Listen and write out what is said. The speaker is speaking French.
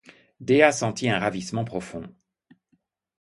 Dea sentit un ravissement profond.